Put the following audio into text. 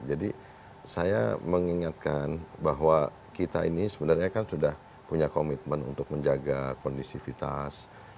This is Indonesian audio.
jadi saya mengingatkan bahwa kita ini sebenarnya kan sudah punya komitmen untuk menjaga kondisivitas